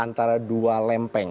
antara dua lempeng